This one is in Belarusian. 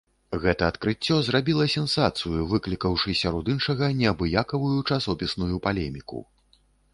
Гэта адкрыццё зрабіла сенсацыю, выклікаўшы сярод іншага, неабыякую часопісную палеміку.